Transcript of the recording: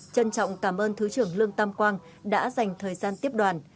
trân trọng cảm ơn thứ trưởng lương tam quang đã dành thời gian tiếp đoàn